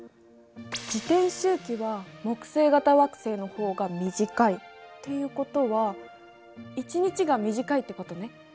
自転周期は木星型惑星の方が短いっていうことは一日が短いってことね。